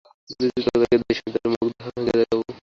যদি তুই ওকে জাগিয়ে দিস, আমি তোর মুখ ভেঙ্গে দেব।